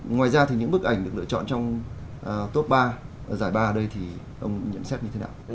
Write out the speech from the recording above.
ngoài ra thì những bức ảnh được lựa chọn trong top ba giải ba ở đây thì ông nhận xét như thế nào